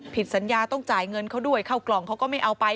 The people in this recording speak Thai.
ผิดสัญญาต้องจ่ายเงินเขาด้วยเข้ากล่องเขาก็ไม่เอาไป